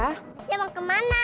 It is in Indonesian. kak tasya mau ke mana